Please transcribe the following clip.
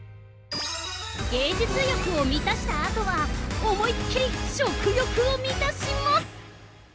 芸術欲を満たしたあとは、思いっ切り食欲を満たします！